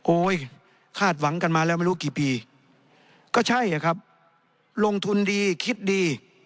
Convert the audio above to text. คาดหวังกันมาแล้วไม่รู้กี่ปีก็ใช่อะครับลงทุนดีคิดดี